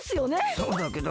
そうだけど？